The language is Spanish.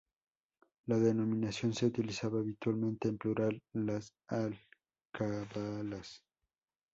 La denominación se utilizaba habitualmente en plural: las alcabalas.